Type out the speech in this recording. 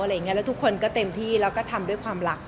อะไรอย่างเงี้ยแล้วทุกคนก็เต็มที่แล้วก็ทำด้วยความหลัก